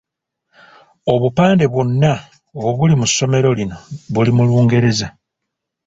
Obupande bwonna obuli mu ssomero lino buli mu Lungereza.